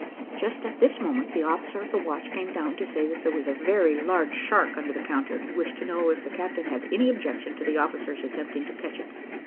Just at this moment, the officer of the watch came down to say that there was a very large shark under the counter, and wished to know if the captain had any objection to the officers attempting to catch it.